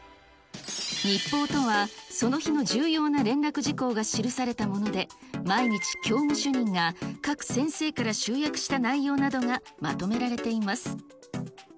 日報とは、その日の重要な連絡事項が記されたもので、毎日、教務主任が各先生から集約した内容などがまとめられています。